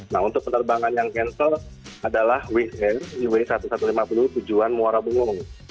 nah untuk penerbangan yang cancel adalah w seribu satu ratus lima puluh dua tujuan muara bungung